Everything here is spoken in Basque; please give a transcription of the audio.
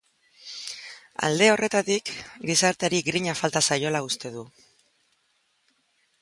Alde horretatik, gizarteari grina falta zaiola uste du.